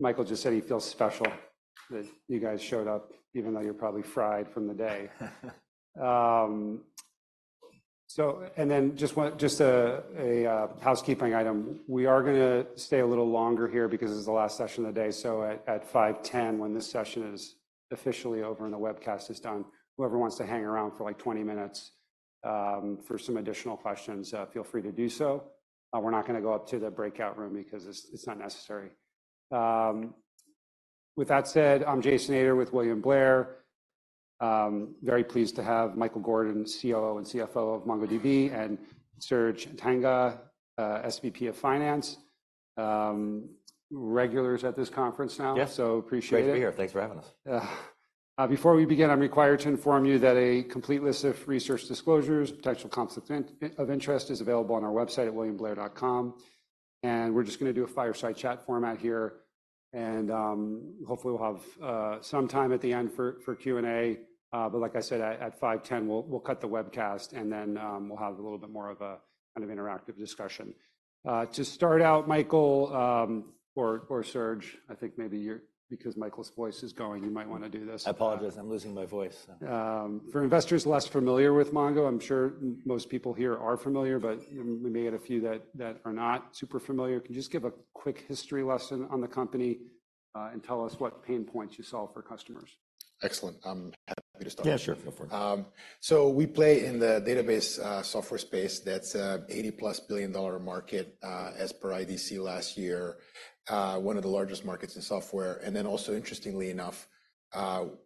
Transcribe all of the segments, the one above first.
Michael just said he feels special that you guys showed up, even though you're probably fried from the day. So, and then just one housekeeping item. We are going to stay a little longer here because this is the last session of the day. So at 5:10, when this session is officially over and the webcast is done, whoever wants to hang around for, like, 20 minutes for some additional questions, feel free to do so. We're not going to go up to the breakout room because it's not necessary. With that said, I'm Jason Ader with William Blair. Very pleased to have Michael Gordon, COO and CFO of MongoDB, and Serge Tanjga, SVP of Finance. Regulars at this conference now. Yes. Appreciate it. Great to be here. Thanks for having us. Before we begin, I'm required to inform you that a complete list of research disclosures and potential conflicts of interest is available on our website at williamblair.com. We're just going to do a fireside chat format here, and hopefully, we'll have some time at the end for Q&A. But like I said, at 5:10, we'll cut the webcast, and then we'll have a little bit more of a kind of interactive discussion. To start out, Michael or Serge, I think maybe you're, because Michael's voice is going, you might want to do this. I apologize. I'm losing my voice. For investors less familiar with Mongo, I'm sure most people here are familiar, but we may get a few that are not super familiar. Can you just give a quick history lesson on the company, and tell us what pain points you solve for customers? Excellent. I'm happy to start. Yeah, sure. So we play in the database software space. That's a $80+ billion market, as per IDC last year. One of the largest markets in software, and then also, interestingly enough,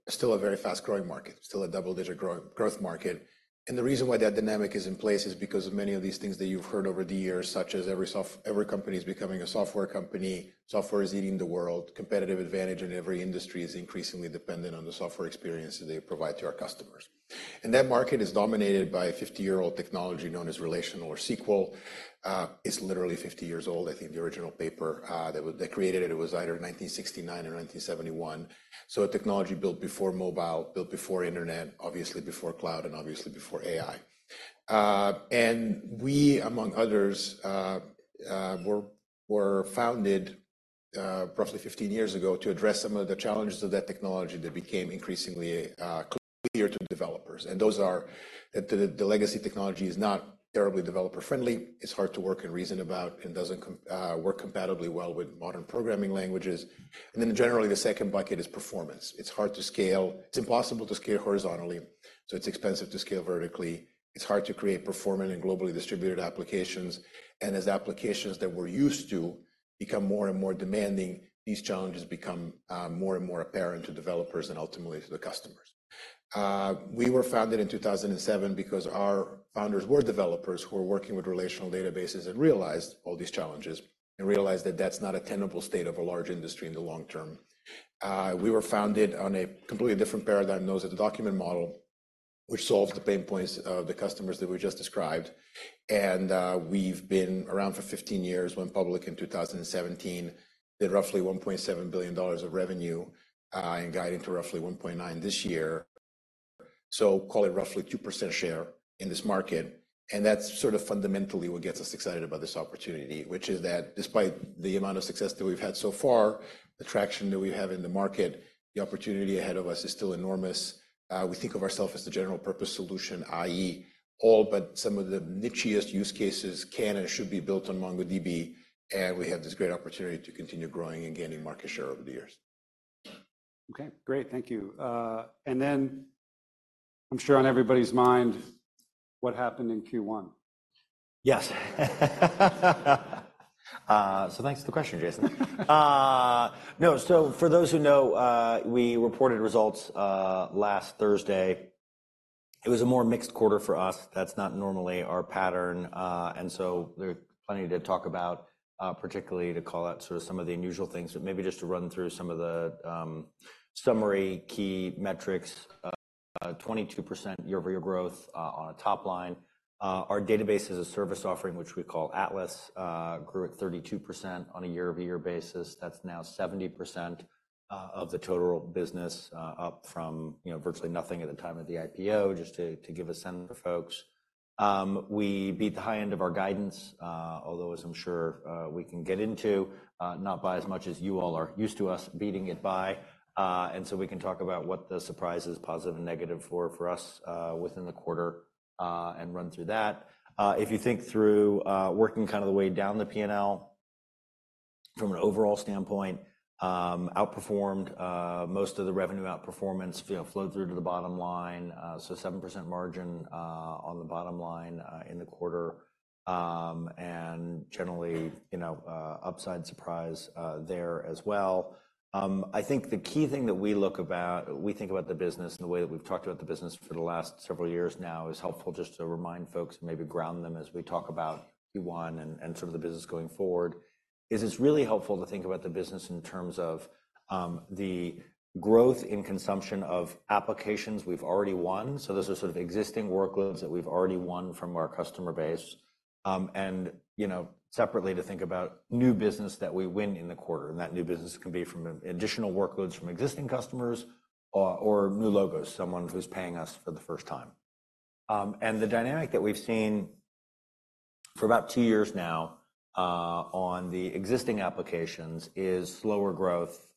still a very fast-growing market, still a double-digit growth market. And the reason why that dynamic is in place is because of many of these things that you've heard over the years, such as every company is becoming a software company, software is eating the world, competitive advantage in every industry is increasingly dependent on the software experience that they provide to our customers. And that market is dominated by a 50-year-old technology known as relational or SQL. It's literally 50 years old. I think the original paper that created it was either 1969 or 1971. So a technology built before mobile, built before internet, obviously before cloud, and obviously before AI. And we, among others, were founded roughly 15 years ago to address some of the challenges of that technology that became increasingly clear to developers. And those are. The legacy technology is not terribly developer-friendly. It's hard to work and reason about and doesn't work compatibly well with modern programming languages. And then generally, the second bucket is performance. It's hard to scale. It's impossible to scale horizontally, so it's expensive to scale vertically. It's hard to create performant and globally distributed applications, and as applications that we're used to become more and more demanding, these challenges become more and more apparent to developers and ultimately to the customers. We were founded in 2007 because our founders were developers who were working with relational databases and realized all these challenges and realized that that's not a tenable state of a large industry in the long term. We were founded on a completely different paradigm, known as the document model, which solved the pain points of the customers that we just described. We've been around for 15 years, went public in 2017, did roughly $1.7 billion of revenue, and guiding to roughly $1.9 billion this year. So call it roughly 2% share in this market, and that's sort of fundamentally what gets us excited about this opportunity, which is that despite the amount of success that we've had so far, the traction that we have in the market, the opportunity ahead of us is still enormous. We think of ourselves as the general purpose solution, i.e., all but some of the nichiest use cases can and should be built on MongoDB, and we have this great opportunity to continue growing and gaining market share over the years. Okay, great. Thank you. And then I'm sure on everybody's mind, what happened in Q1? Yes. So thanks for the question, Jason. No, so for those who know, we reported results last Thursday. It was a more mixed quarter for us. That's not normally our pattern, and so there are plenty to talk about, particularly to call out sort of some of the unusual things. But maybe just to run through some of the summary key metrics, 22% year-over-year growth on a top line. Our database as a service offering, which we call Atlas, grew at 32% on a year-over-year basis. That's now 70% of the total business, up from, you know, virtually nothing at the time of the IPO, just to give a sense for folks. We beat the high end of our guidance, although, as I'm sure, we can get into, not by as much as you all are used to us beating it by. So we can talk about what the surprise is, positive and negative for us, within the quarter, and run through that. If you think through, working kind of the way down the P&L, from an overall standpoint, outperformed, most of the revenue outperformance, you know, flowed through to the bottom line. So 7% margin on the bottom line in the quarter. And generally, you know, upside surprise there as well. I think the key thing that we think about the business and the way that we've talked about the business for the last several years now is helpful just to remind folks, maybe ground them as we talk about Q1 and, and sort of the business going forward, is it's really helpful to think about the business in terms of, the growth in consumption of applications we've already won. So those are sort of existing workloads that we've already won from our customer base. And, you know, separately, to think about new business that we win in the quarter, and that new business can be from an additional workloads from existing customers or, or new logos, someone who's paying us for the first time. And the dynamic that we've seen-... For about two years now, on the existing applications is slower growth,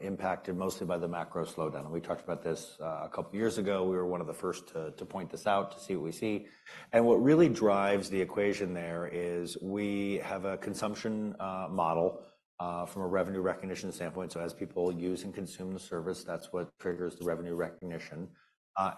impacted mostly by the macro slowdown. And we talked about this a couple years ago. We were one of the first to point this out, to see what we see. And what really drives the equation there is we have a consumption model from a revenue recognition standpoint. So as people use and consume the service, that's what triggers the revenue recognition.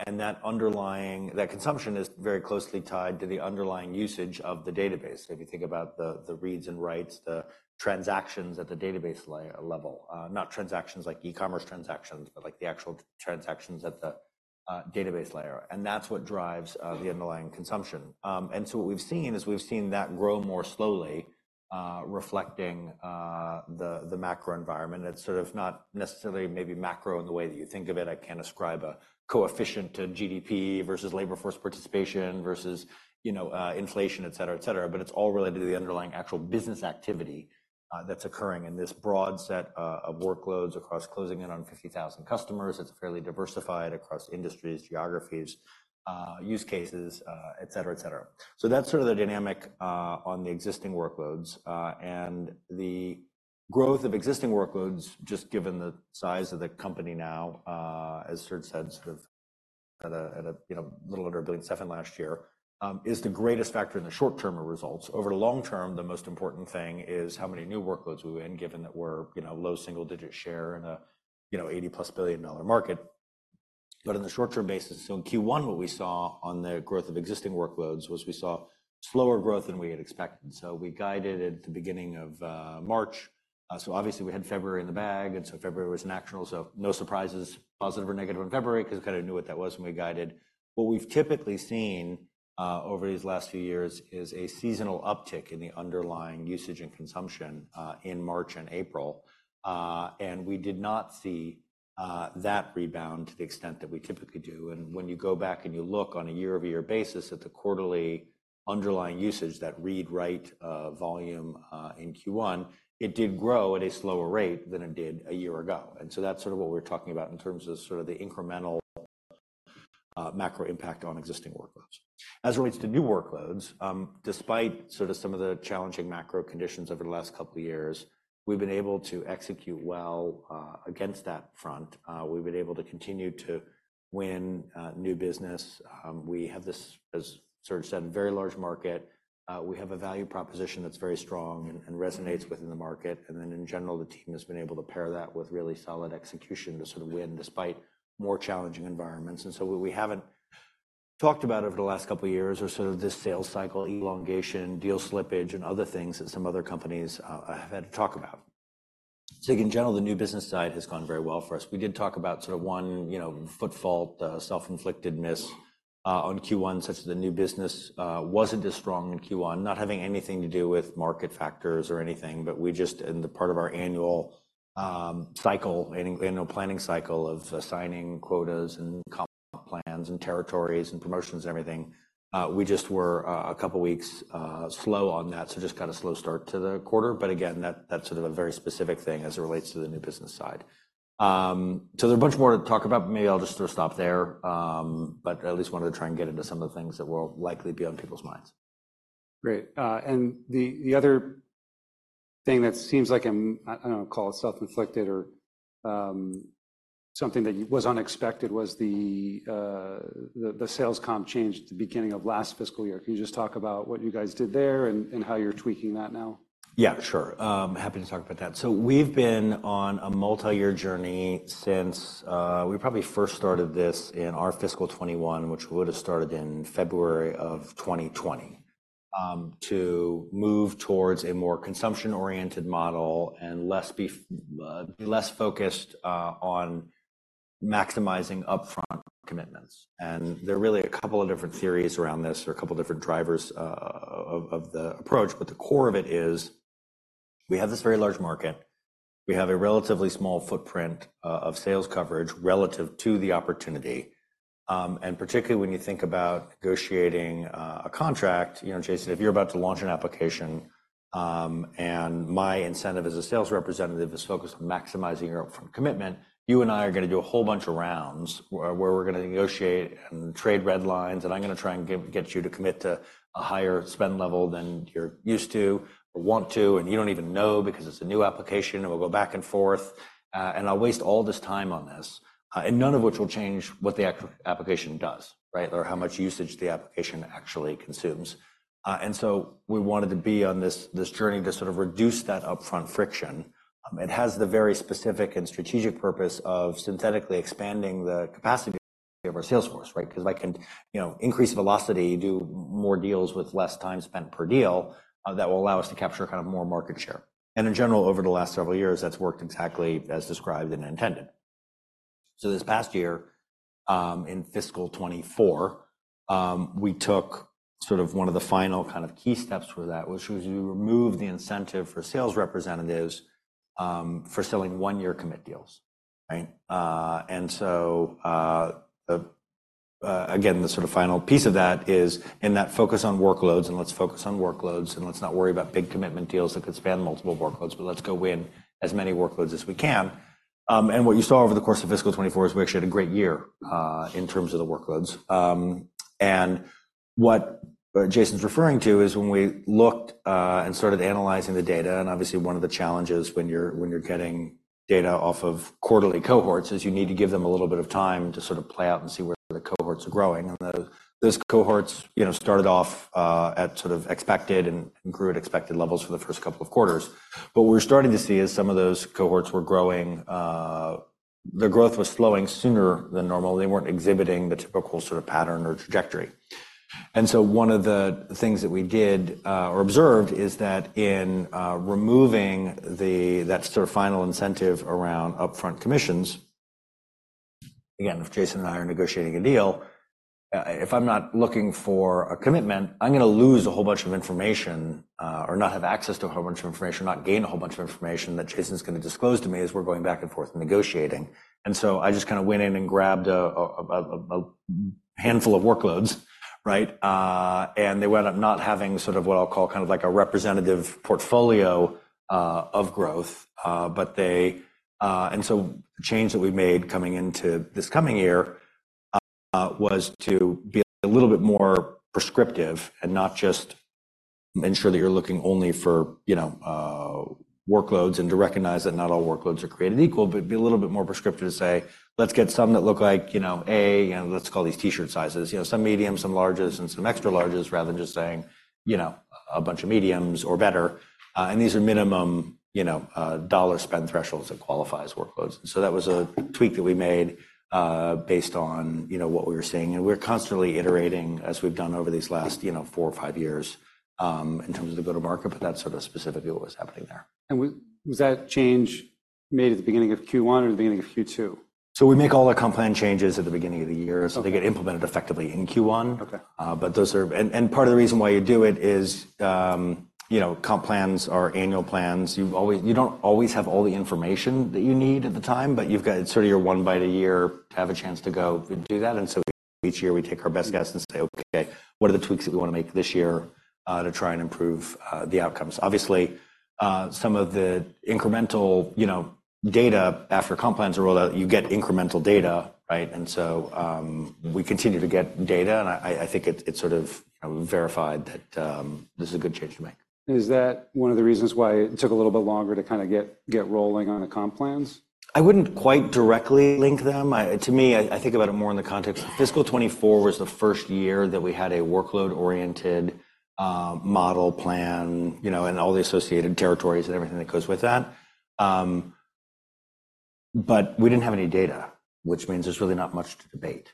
And that underlying consumption is very closely tied to the underlying usage of the database. So if you think about the reads and writes, the transactions at the database layer level, not transactions like e-commerce transactions, but like the actual transactions at the database layer, and that's what drives the underlying consumption. And so what we've seen is we've seen that grow more slowly, reflecting the macro environment. It's sort of not necessarily maybe macro in the way that you think of it. I can't ascribe a coefficient to GDP versus labor force participation versus, you know, inflation, et cetera, et cetera. But it's all related to the underlying actual business activity that's occurring in this broad set of workloads across closing in on 50,000 customers. It's fairly diversified across industries, geographies, use cases, et cetera, et cetera. So that's sort of the dynamic on the existing workloads. And the growth of existing workloads, just given the size of the company now, as Serge said, sort of at a, you know, little under $1.7 billion last year, is the greatest factor in the short term of results. Over the long term, the most important thing is how many new workloads we win, given that we're, you know, low single-digit share in a, you know, $80+ billion market. But on the short-term basis, so in Q1, what we saw on the growth of existing workloads was we saw slower growth than we had expected. So we guided at the beginning of March. So obviously, we had February in the bag, and so February was natural, so no surprises, positive or negative in February, 'cause we kinda knew what that was when we guided. What we've typically seen over these last few years is a seasonal uptick in the underlying usage and consumption in March and April. We did not see that rebound to the extent that we typically do. When you go back and you look on a year-over-year basis at the quarterly underlying usage, that read-write volume in Q1, it did grow at a slower rate than it did a year ago. So that's sort of what we're talking about in terms of sort of the incremental macro impact on existing workloads. As it relates to new workloads, despite sort of some of the challenging macro conditions over the last couple of years, we've been able to execute well against that front. We've been able to continue to win new business. We have this, as Serge said, a very large market. We have a value proposition that's very strong and, and resonates within the market. And then, in general, the team has been able to pair that with really solid execution to sort of win despite more challenging environments. And so what we haven't talked about over the last couple of years are sort of this sales cycle elongation, deal slippage, and other things that some other companies have had to talk about. So in general, the new business side has gone very well for us. We did talk about sort of one, you know, foot fault, self-inflicted miss, on Q1, such that the new business wasn't as strong in Q1, not having anything to do with market factors or anything, but we just, in the part of our annual planning cycle of assigning quotas and comp plans and territories and promotions and everything, we just were a couple of weeks slow on that, so just got a slow start to the quarter. But again, that's sort of a very specific thing as it relates to the new business side. So there's a bunch more to talk about, but maybe I'll just sort of stop there. But at least wanted to try and get into some of the things that will likely be on people's minds. Great. And the other thing that seems like, I don't know, call it self-inflicted or, something that was unexpected, was the sales comp change at the beginning of last fiscal year. Can you just talk about what you guys did there and how you're tweaking that now? Yeah, sure. Happy to talk about that. So we've been on a multi-year journey since we probably first started this in our fiscal 2021, which would have started in February of 2020, to move towards a more consumption-oriented model and less focused on maximizing upfront commitments. And there are really a couple of different theories around this, or a couple different drivers of the approach. But the core of it is, we have this very large market. We have a relatively small footprint of sales coverage relative to the opportunity. And particularly when you think about negotiating a contract, you know, Jason, if you're about to launch an application, and my incentive as a sales representative is focused on maximizing your upfront commitment, you and I are gonna do a whole bunch of rounds where we're gonna negotiate and trade red lines, and I'm gonna try and get you to commit to a higher spend level than you're used to or want to, and you don't even know because it's a new application, and we'll go back and forth, and I'll waste all this time on this, and none of which will change what the application does, right? Or how much usage the application actually consumes. And so we wanted to be on this journey to sort of reduce that upfront friction. It has the very specific and strategic purpose of synthetically expanding the capacity of our sales force, right? Because I can, you know, increase velocity, do more deals with less time spent per deal, that will allow us to capture kind of more market share. And in general, over the last several years, that's worked exactly as described and intended. So this past year, in fiscal 2024, we took sort of one of the final kind of key steps for that, which was we removed the incentive for sales representatives, for selling one-year commit deals, right? And so, again, the sort of final piece of that is, in that focus on workloads, and let's focus on workloads, and let's not worry about big commitment deals that could span multiple workloads, but let's go win as many workloads as we can. And what you saw over the course of fiscal 2024 is we actually had a great year, in terms of the workloads. And what Jason's referring to is when we looked and started analyzing the data, and obviously, one of the challenges when you're getting data off of quarterly cohorts is you need to give them a little bit of time to sort of play out and see where the cohorts are growing. And those cohorts, you know, started off at sort of expected and grew at expected levels for the first couple of quarters. But what we're starting to see is some of those cohorts were growing. Their growth was slowing sooner than normal. They weren't exhibiting the typical sort of pattern or trajectory. One of the things that we did or observed is that in removing that sort of final incentive around upfront commissions, again, if Jason and I are negotiating a deal, if I'm not looking for a commitment, I'm gonna lose a whole bunch of information or not have access to a whole bunch of information, or not gain a whole bunch of information that Jason's gonna disclose to me as we're going back and forth negotiating. I just kind of went in and grabbed a handful of workloads, right? And they wound up not having sort of what I'll call kind of like a representative portfolio of growth. But they... The change that we made coming into this coming year was to be a little bit more prescriptive and not just ensure that you're looking only for, you know, workloads, and to recognize that not all workloads are created equal. But be a little bit more prescriptive to say, "Let's get some that look like, you know, A, and let's call these T-shirt sizes. You know, some mediums, some larges, and some extra larges," rather than just saying, you know, "A bunch of mediums or better." And these are minimum, you know, dollar spend thresholds that qualify as workloads. So that was a tweak that we made, based on, you know, what we were seeing. We're constantly iterating, as we've done over these last, you know, 4 or 5 years, in terms of the go-to-market, but that's sort of specifically what was happening there. Was that change made at the beginning of Q1 or the beginning of Q2? We make all the comp plan changes at the beginning of the year. Okay. So they get implemented effectively in Q1. Okay. But those are. And part of the reason why you do it is, you know, comp plans are annual plans. You don't always have all the information that you need at the time, but you've got sort of your one bite a year to have a chance to go and do that. And so each year, we take our best guess and say: Okay, what are the tweaks that we wanna make this year, to try and improve the outcomes? Obviously, some of the incremental, you know, data after comp plans are rolled out, you get incremental data, right? And so, we continue to get data, and I think it sort of verified that this is a good change to make. Is that one of the reasons why it took a little bit longer to kinda get rolling on the comp plans? I wouldn't quite directly link them. To me, I think about it more in the context of fiscal 2024 was the first year that we had a workload-oriented model plan, you know, and all the associated territories and everything that goes with that. But we didn't have any data, which means there's really not much to debate,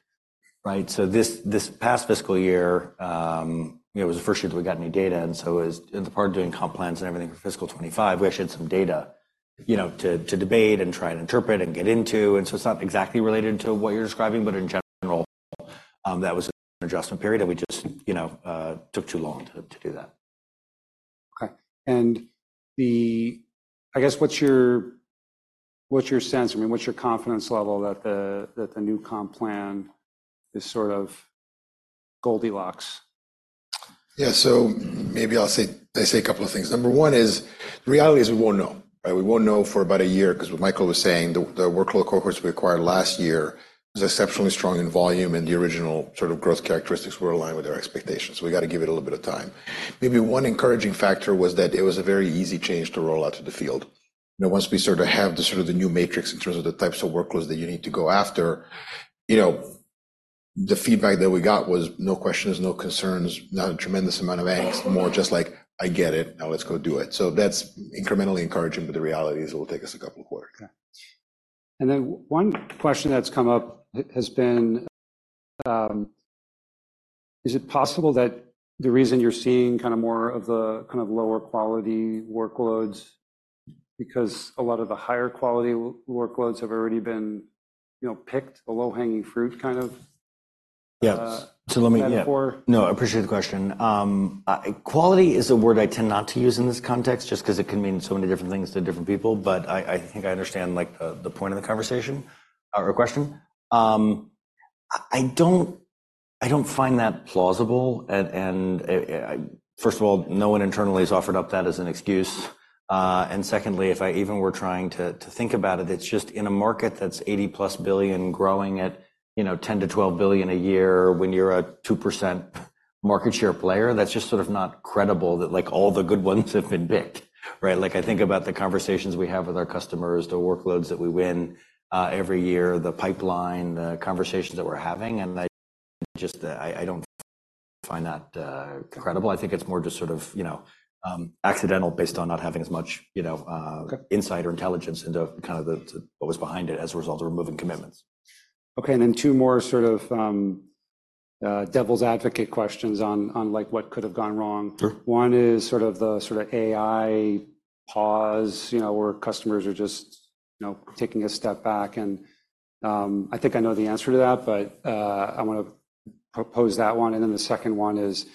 right? So this past fiscal year, you know, it was the first year that we got new data, and so as in the part of doing comp plans and everything for fiscal 2025, we actually had some data, you know, to debate and try and interpret and get into. And so it's not exactly related to what you're describing, but in general, that was an adjustment period, and we just, you know, took too long to do that. Okay. And... I guess, what's your, what's your sense, I mean, what's your confidence level that the new comp plan is sort of Goldilocks? Yeah. So maybe I'll say, I'll say a couple of things. Number one is, the reality is we won't know, right? We won't know for about a year because what Michael was saying, the, the workload cohorts we acquired last year was exceptionally strong in volume, and the original sort of growth characteristics were aligned with our expectations. So we gotta give it a little bit of time. Maybe one encouraging factor was that it was a very easy change to roll out to the field. You know, once we sort of have the sort of the new matrix in terms of the types of workloads that you need to go after, you know, the feedback that we got was: no questions, no concerns, not a tremendous amount of angst. More just like, "I get it. Now let's go do it." So that's incrementally encouraging, but the reality is it will take us a couple of quarters. Okay. And then one question that's come up has been: is it possible that the reason you're seeing kind of more of the kind of lower quality workloads, because a lot of the higher quality workloads have already been, you know, picked, the low-hanging fruit kind of? Yes. So let me- Before- No, I appreciate the question. Quality is a word I tend not to use in this context, just 'cause it can mean so many different things to different people. But I think I understand, like, the point of the conversation or question. I don't find that plausible. And first of all, no one internally has offered up that as an excuse. And secondly, if I even were trying to think about it, it's just in a market that's $80+ billion, growing at, you know, $10-$12 billion a year, when you're a 2% market share player, that's just sort of not credible that, like, all the good ones have been picked, right? Like, I think about the conversations we have with our customers, the workloads that we win every year, the pipeline, the conversations that we're having, and I just, I don't find that credible. I think it's more just sort of, you know, accidental, based on not having as much, you know, Okay... insight or intelligence into kind of the what was behind it, as a result of removing commitments. Okay, and then two more sort of devil's advocate questions on like what could have gone wrong. Sure. One is sort of the sort of AI pause, you know, where customers are just, you know, taking a step back, and I think I know the answer to that, but I wanna pose that one. And then the second one is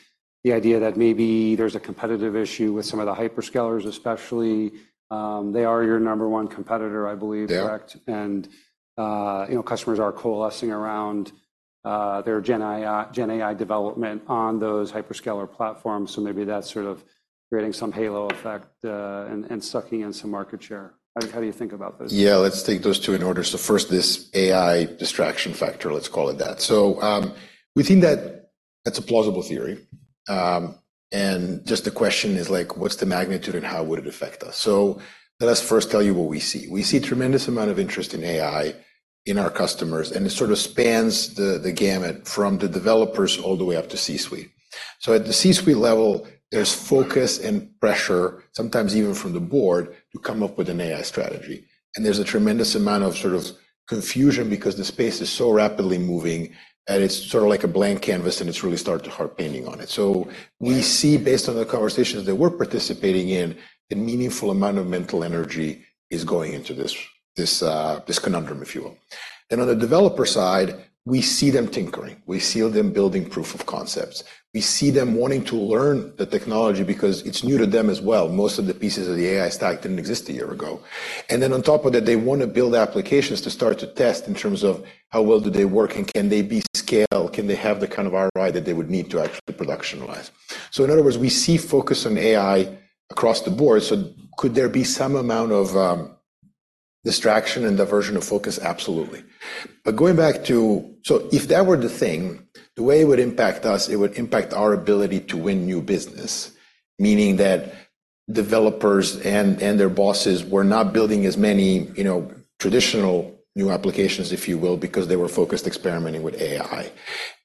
the idea that maybe there's a competitive issue with some of the hyperscalers, especially they are your number one competitor, I believe. Yeah. Correct. And, you know, customers are coalescing around their Gen AI development on those hyperscaler platforms. So maybe that's sort of creating some halo effect, and sucking in some market share. How do you think about this? Yeah, let's take those two in order. So first, this AI distraction factor, let's call it that. So, we think that that's a plausible theory. And just the question is like: What's the magnitude, and how would it affect us? So let us first tell you what we see. We see tremendous amount of interest in AI in our customers, and it sort of spans the gamut from the developers all the way up to C-suite. So at the C-suite level, there's focus and pressure, sometimes even from the board, to come up with an AI strategy. And there's a tremendous amount of sort of confusion because the space is so rapidly moving, and it's sort of like a blank canvas, and it's really start to start painting on it. So we see, based on the conversations that we're participating in, a meaningful amount of mental energy is going into this conundrum, if you will. Then on the developer side, we see them tinkering. We see them building proof of concepts. We see them wanting to learn the technology because it's new to them as well. Most of the pieces of the AI stack didn't exist a year ago. And then on top of that, they want to build applications to start to test in terms of how well do they work, and can they be scaled? Can they have the kind of ROI that they would need to actually productionalize? So in other words, we see focus on AI across the board. So could there be some amount of distraction and diversion of focus? Absolutely. But going back to... So if that were the thing, the way it would impact us, it would impact our ability to win new business, meaning that developers and their bosses were not building as many, you know, traditional new applications, if you will, because they were focused experimenting with AI.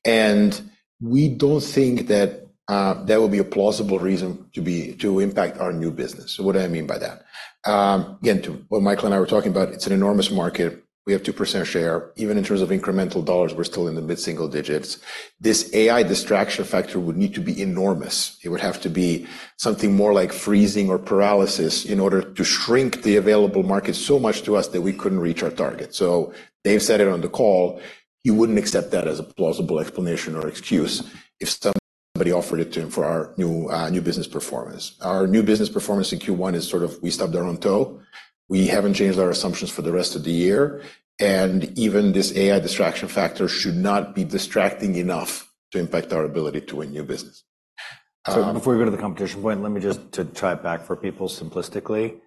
And we don't think that, that would be a plausible reason to impact our new business. So what do I mean by that? Again, to what Michael and I were talking about, it's an enormous market. We have 2% share. Even in terms of incremental dollars, we're still in the mid-single digits. This AI distraction factor would need to be enormous. It would have to be something more like freezing or paralysis in order to shrink the available market so much to us that we couldn't reach our target. So Dev said it on the call, he wouldn't accept that as a plausible explanation or excuse if somebody offered it to him for our new business performance. Our new business performance in Q1 is sort of we stubbed our own toe. We haven't changed our assumptions for the rest of the year, and even this AI distraction factor should not be distracting enough to impact our ability to win new business. So before we go to the competition point, let me just try it back for people simplistically.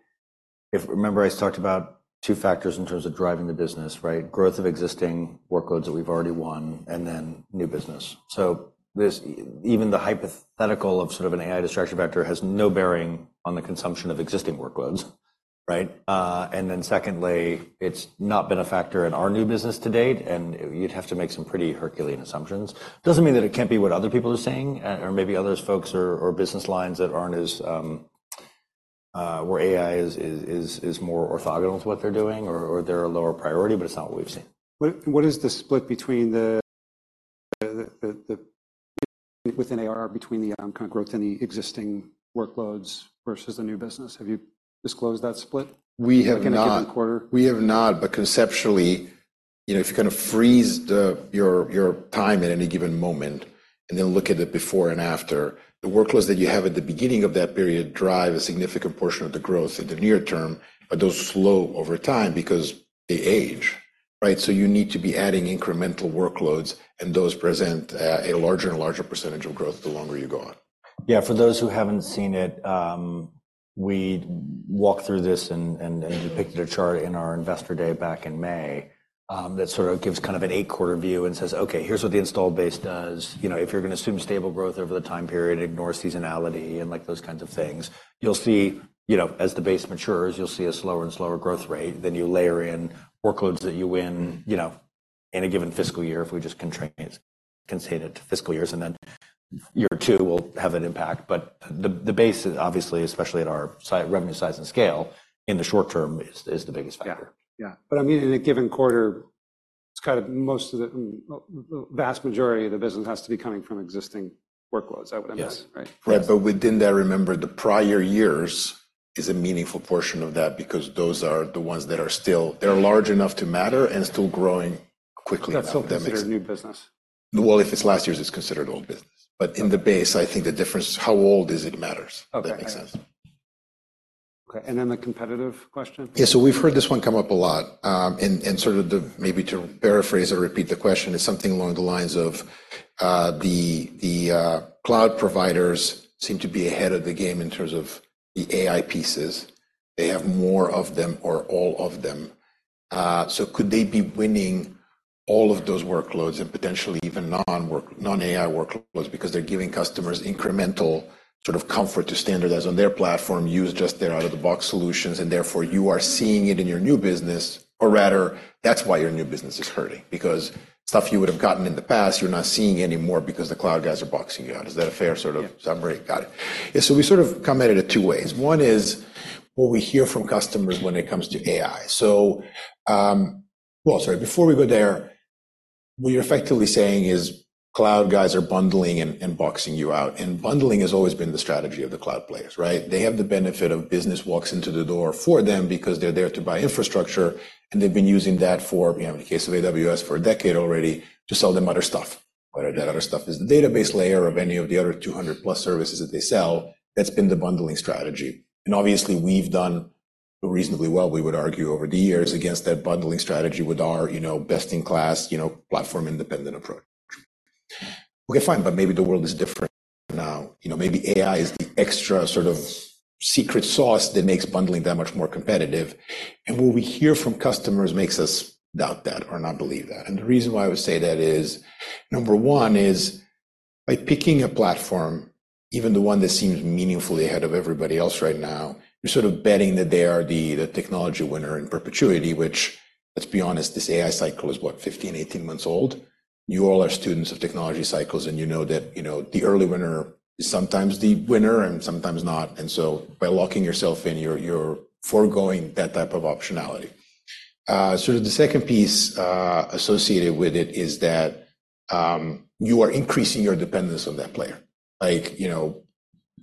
If remember, I talked about two factors in terms of driving the business, right? Growth of existing workloads that we've already won, and then new business. So this, even the hypothetical of sort of an AI distraction factor has no bearing on the consumption of existing workloads, right? And then secondly, it's not been a factor in our new business to date, and you'd have to make some pretty Herculean assumptions. Doesn't mean that it can't be what other people are saying, or maybe other folks or business lines that aren't as where AI is more orthogonal to what they're doing, or they're a lower priority, but it's not what we've seen. What is the split between the within AR, between the kind of growth in the existing workloads versus the new business? Have you disclosed that split? We have not. In a given quarter. We have not. But conceptually, you know, if you kind of freeze your time at any given moment and then look at it before and after, the workloads that you have at the beginning of that period drive a significant portion of the growth in the near term, but those slow over time because they age, right? So you need to be adding incremental workloads, and those present a larger and larger percentage of growth the longer you go on. Yeah, for those who haven't seen it, we walked through this and depicted a chart in our investor day back in May that sort of gives kind of an eight-quarter view and says, "Okay, here's what the installed base does." You know, if you're going to assume stable growth over the time period, ignore seasonality, and like those kinds of things, you'll see, you know, as the base matures, you'll see a slower and slower growth rate. Then you layer in workloads that you win, you know, in a given fiscal year, if we just constrain it to fiscal years, and then year two will have an impact. But the base, obviously, especially at our revenue, size, and scale, in the short term, is the biggest factor. Yeah. Yeah, but I mean, in a given quarter, it's kind of most of the, vast majority of the business has to be coming from existing workloads. I would imagine- Yes right? Right. But within that, remember, the prior years is a meaningful portion of that because those are the ones that are still, they're large enough to matter and still growing quickly. That's still considered new business? Well, if it's last year's, it's considered old business. Okay. But in the base, I think the difference, how old is it matters. Okay. If that makes sense. Okay, and then the competitive question? Yeah, so we've heard this one come up a lot. And sort of, maybe to paraphrase or repeat the question is something along the lines of, the cloud providers seem to be ahead of the game in terms of the AI pieces. They have more of them or all of them. So could they be winning all of those workloads and potentially even non-work, non-AI workloads because they're giving customers incremental sort of comfort to standardize on their platform, use just their out-of-the-box solutions, and therefore, you are seeing it in your new business, or rather, that's why your new business is hurting? Because stuff you would have gotten in the past, you're not seeing anymore because the cloud guys are boxing you out. Is that a fair sort of- Yeah summary? Got it. Yeah, so we sort of come at it at two ways. One is what we hear from customers when it comes to AI. So, well, sorry, before we go there, what you're effectively saying is cloud guys are bundling and, and boxing you out, and bundling has always been the strategy of the cloud players, right? They have the benefit of business walks into the door for them because they're there to buy infrastructure, and they've been using that for, you know, in the case of AWS, for a decade already, to sell them other stuff. Whether that other stuff is the database layer of any of the other 200+ services that they sell, that's been the bundling strategy. And obviously, we've done- Reasonably well, we would argue over the years against that bundling strategy with our, you know, best-in-class, you know, platform-independent approach. Okay, fine, but maybe the world is different now. You know, maybe AI is the extra sort of secret sauce that makes bundling that much more competitive. And what we hear from customers makes us doubt that or not believe that. And the reason why I would say that is, number one is, by picking a platform, even the one that seems meaningfully ahead of everybody else right now, you're sort of betting that they are the, the technology winner in perpetuity, which, let's be honest, this AI cycle is what? 15, 18 months old. You all are students of technology cycles, and you know that, you know, the early winner is sometimes the winner and sometimes not, and so by locking yourself in, you're foregoing that type of optionality. So the second piece associated with it is that you are increasing your dependence on that player. Like, you know,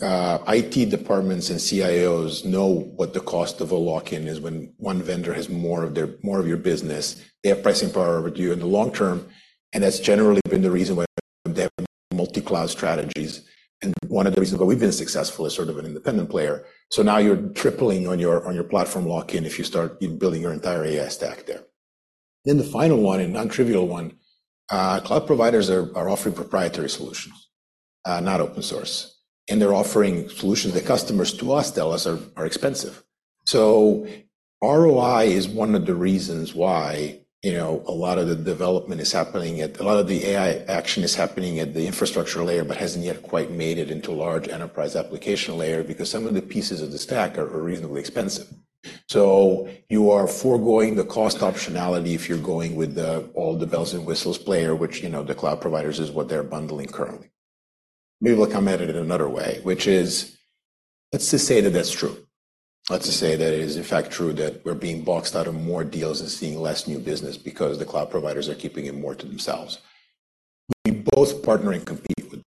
IT departments and CIOs know what the cost of a lock-in is when one vendor has more of their, more of your business. They have pricing power over you in the long term, and that's generally been the reason why they have multi-cloud strategies. One of the reasons why we've been successful is sort of an independent player. So now you're tripling on your platform lock-in if you start building your entire AI stack there. Then the final one, and non-trivial one, cloud providers are offering proprietary solutions, not open source, and they're offering solutions that customers tell us are expensive. So ROI is one of the reasons why, you know, a lot of the development is happening at a lot of the AI action is happening at the infrastructure layer, but hasn't yet quite made it into large enterprise application layer, because some of the pieces of the stack are reasonably expensive. So you are foregoing the cost optionality if you're going with all the bells and whistles player, which, you know, the cloud providers is what they're bundling currently. Maybe we'll come at it in another way, which is, let's just say that that's true. Let's just say that it is in fact true that we're being boxed out of more deals and seeing less new business because the cloud providers are keeping it more to themselves. We both partner and compete with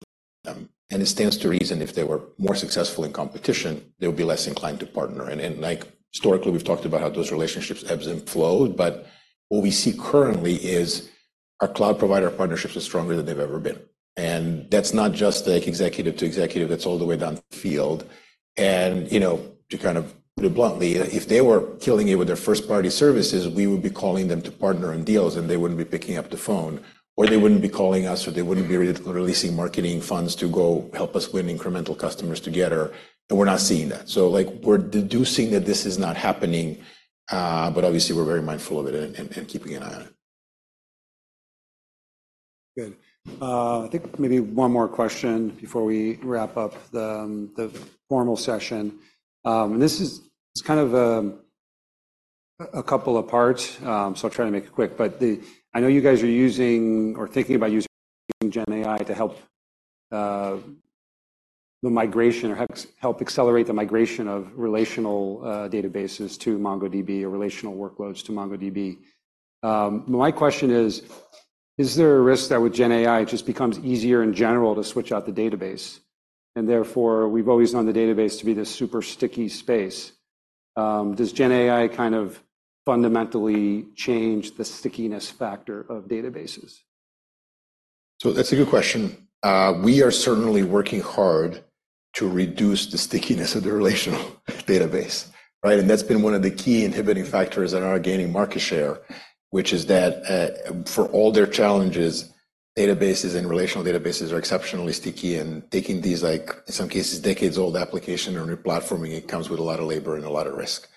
them, and it stands to reason if they were more successful in competition, they would be less inclined to partner. And, and like historically, we've talked about how those relationships ebbs and flowed, but what we see currently is our cloud provider partnerships are stronger than they've ever been. And that's not just like executive to executive, that's all the way down the field. You know, to kind of put it bluntly, if they were killing it with their first-party services, we would be calling them to partner on deals, and they wouldn't be picking up the phone, or they wouldn't be calling us, or they wouldn't be releasing marketing funds to go help us win incremental customers together, and we're not seeing that. So, like, we're deducing that this is not happening, but obviously we're very mindful of it and, and, and keeping an eye on it. Good. I think maybe one more question before we wrap up the formal session. This is, it's kind of a couple of parts, so I'll try to make it quick, but the. I know you guys are using or thinking about using Gen AI to help the migration or help accelerate the migration of relational databases to MongoDB or relational workloads to MongoDB. My question is: Is there a risk that with Gen AI, it just becomes easier in general to switch out the database, and therefore, we've always known the database to be this super sticky space? Does Gen AI kind of fundamentally change the stickiness factor of databases? So that's a good question. We are certainly working hard to reduce the stickiness of the relational database, right? And that's been one of the key inhibiting factors in our gaining market share, which is that, for all their challenges, databases and relational databases are exceptionally sticky, and taking these, like, in some cases, decades-old application and replatforming it, comes with a lot of labor and a lot of risk.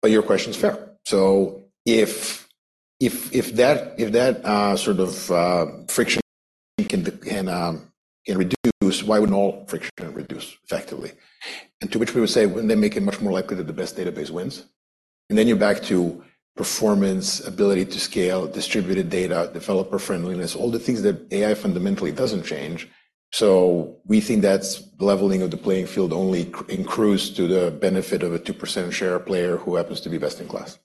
But your question is fair. So if that sort of friction can reduce, why wouldn't all friction reduce effectively? And to which we would say, wouldn't that make it much more likely that the best database wins? And then you're back to performance, ability to scale, distributed data, developer friendliness, all the things that AI fundamentally doesn't change. We think that's leveling of the playing field only accrues to the benefit of a 2% share player who happens to be best in class.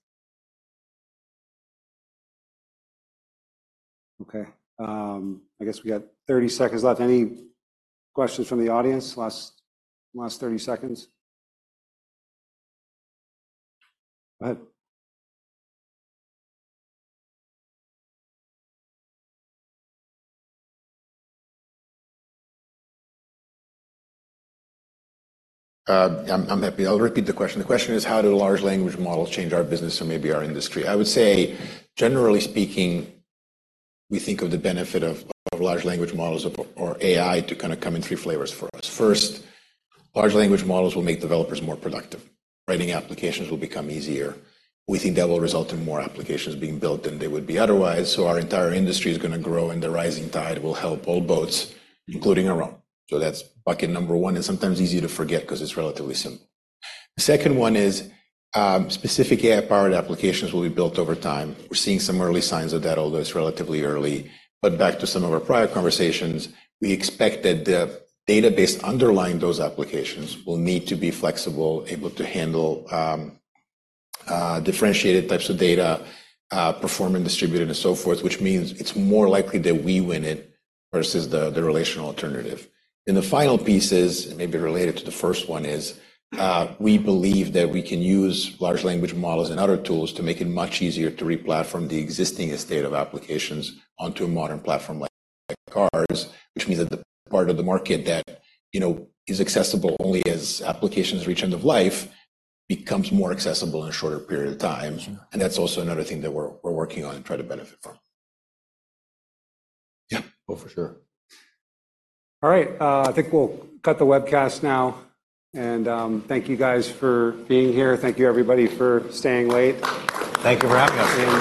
Okay, I guess we got 30 seconds left. Any questions from the audience? Last, last 30 seconds. Go ahead. I'm happy. I'll repeat the question. The question is: How do large language models change our business or maybe our industry? I would say, generally speaking, we think of the benefit of large language models or AI to kinda come in three flavors for us. First, large language models will make developers more productive. Writing applications will become easier. We think that will result in more applications being built than they would be otherwise, so our entire industry is gonna grow, and the rising tide will help all boats, including our own. So that's bucket number one, and sometimes easy to forget 'cause it's relatively simple. The second one is, specific AI-powered applications will be built over time. We're seeing some early signs of that, although it's relatively early. But back to some of our prior conversations, we expect that the database underlying those applications will need to be flexible, able to handle differentiated types of data, perform and distributed, and so forth, which means it's more likely that we win it versus the relational alternative. Then the final piece is, and maybe related to the first one, we believe that we can use large language models and other tools to make it much easier to replatform the existing estate of applications onto a modern platform like ours, which means that the part of the market that, you know, is accessible only as applications reach end of life, becomes more accessible in a shorter period of time. And that's also another thing that we're working on and try to benefit from. Yeah. Oh, for sure. All right, I think we'll cut the webcast now. Thank you guys for being here. Thank you, everybody, for staying late. Thank you for having us.